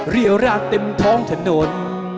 เรียวรากเต็มท้องถนน